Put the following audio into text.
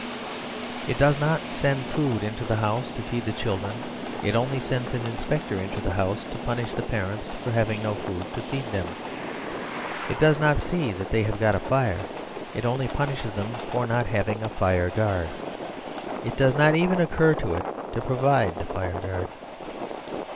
It does not send food into the house to feed the children; it only sends an inspector into the house to punish the parents for having no food to feed them. It does not see that they have got a fire; it only punishes them for not having a fireguard. It does not even occur to it to provide the fireguard.